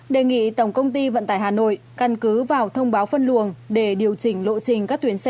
đề nghị tổng công ty vận tải hà nội căn cứ vào thông báo phân luồng để điều chỉnh lộ trình các tuyến xe